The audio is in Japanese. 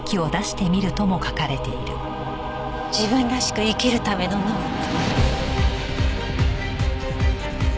自分らしく生きるためのノート。